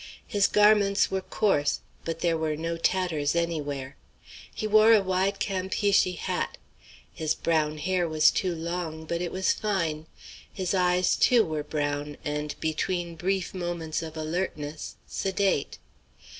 His garments were coarse, but there were no tatters anywhere. He wore a wide Campeachy hat. His brown hair was too long, but it was fine. His eyes, too, were brown, and, between brief moments of alertness, sedate.